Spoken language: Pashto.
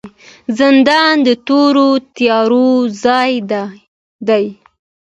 زندان د تورو تیارو ځای دی